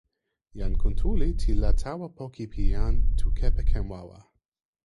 jan Kuntuli li tawa poka pi jan Tu kepeken wawa.